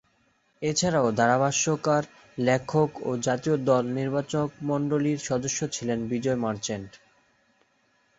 এছাড়াও ধারাভাষ্যকার, লেখক ও জাতীয় দল নির্বাচকমণ্ডলীর সদস্য ছিলেন বিজয় মার্চেন্ট।